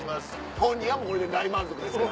本人はこれで大満足ですから。